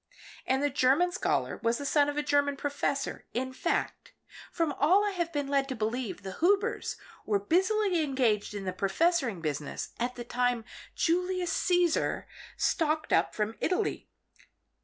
And the German scholar was the son of a German professor. In fact, from all I have been led to believe the Hubers were busily engaged in the professoring business at the time Julius Caesar stalked up from Italy."